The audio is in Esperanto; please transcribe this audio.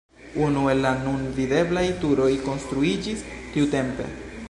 Unu el la nun videblaj turoj konstruiĝis tiutempe.